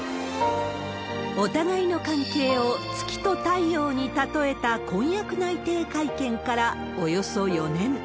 お互いの関係を月と太陽に例えた婚約内定会見からおよそ４年。